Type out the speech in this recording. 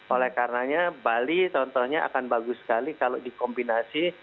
oleh karenanya bali contohnya akan bagus sekali kalau dikombinasi